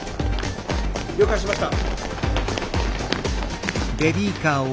了解しました。